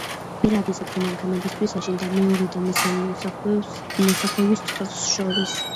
გვირაბი სატვირთო მანქანებისთვის აშენდა მეორე და მესამე მოსახვევის სწორს შორის.